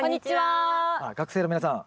学生の皆さん。